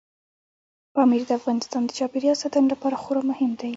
پامیر د افغانستان د چاپیریال ساتنې لپاره خورا مهم دی.